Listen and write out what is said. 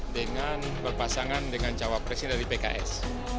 dengan berpasangan dengan cawapresnya dari pks